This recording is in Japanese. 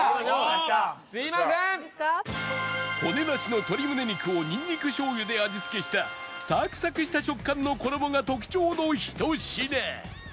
骨なしの鶏胸肉をにんにく醤油で味付けしたサクサクした食感の衣が特徴のひと品